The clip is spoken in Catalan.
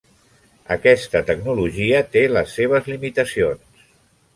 Aquesta tecnologia té les seves limitacions.